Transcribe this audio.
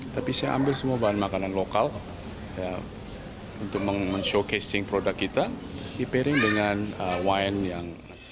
tapi saya ambil semua bahan makanan lokal untuk men showcasing produk kita di pairing dengan wine yang